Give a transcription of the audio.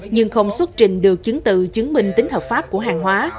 nhưng không xuất trình được chứng tự chứng minh tính hợp pháp của hàng hóa